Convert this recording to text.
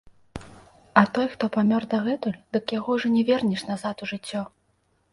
А той, хто памёр дагэтуль, дык яго ўжо не вернеш назад у жыццё.